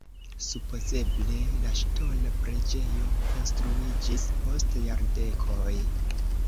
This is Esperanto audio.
Supozeble la ŝtona preĝejo konstruiĝis post jardekoj.